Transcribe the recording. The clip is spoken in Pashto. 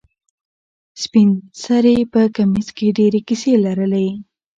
سپین سرې په کمیس کې ډېرې کیسې لرلې.